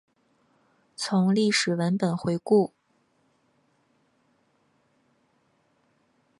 从历史文本回顾